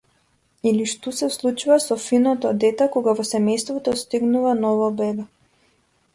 Или што се случува со финото дете кога во семејството стигнува ново бебе.